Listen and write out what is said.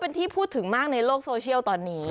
เป็นที่พูดถึงมากในโลกโซเชียลตอนนี้